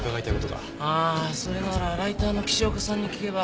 ああそれならライターの岸岡さんに聞けば？